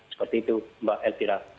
seperti itu mbak elpira